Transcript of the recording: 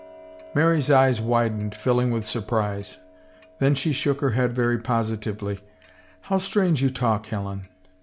Mary's eyes widened, filUng with surprise. Then she shook her head very positively. " How strange you talk, Helen.